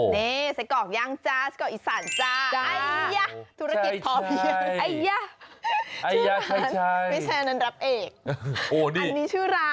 เน้ไส้กอกย่างจ้าไส้กอกอีสานจ้า